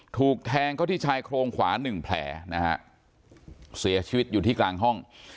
ถูกแทงเขาที่ชายโครงขวาหนึ่งแผลนะฮะเสียชีวิตอยู่ที่กลางห้อง